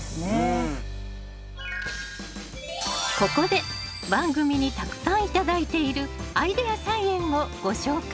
ここで番組にたくさん頂いているアイデア菜園をご紹介